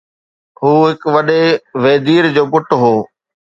هو هڪ وڏي ويدير جو پٽ هو.